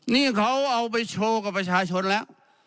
นี่เขาเอาไปโชว์กับประชาชนแล้ว